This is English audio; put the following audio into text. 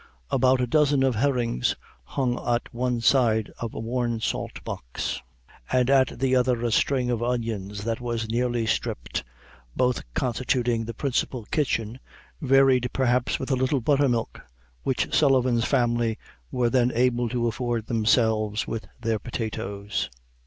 About a dozen of herrings hung at one side of a worn salt box, and at the other a string of onions that was nearly Stripped, both constituting the principal kitchen, varied, perhaps, with a little buttermilk, which Sullivan's family were then able to afford themselves with their potatoes.